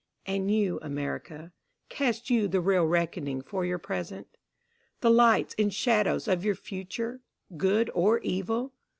And you America, Cast you the real reckoning for your present? The lights and shadows of your future, good or evil?